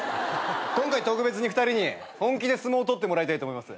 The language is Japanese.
今回特別に２人に本気で相撲を取ってもらいたいと思います。